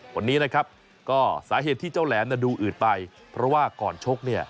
คนนี้นะครับก็สาเหตุที่เจ้าแหลมดูอืดไปเพราะว่าก่อนชกเนี่ย